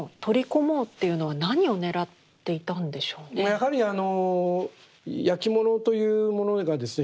やはりあのやきものというものがですね